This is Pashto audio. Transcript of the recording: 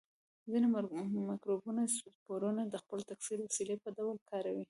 ځینې مکروبونه سپورونه د خپل تکثري وسیلې په ډول کاروي.